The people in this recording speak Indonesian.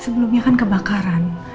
sebelumnya kan kebakaran